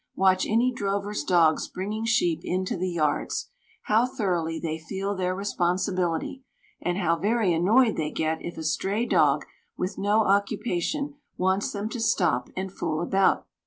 Watch any drover's dogs bringing sheep into the yards. How thoroughly they feel their responsibility, and how very annoyed they get if a stray dog with no occupation wants them to stop and fool about!